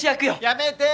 やめて！